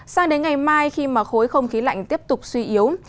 sang đến ngày mai khi mà khối không khí lạnh tiếp tục suy yếu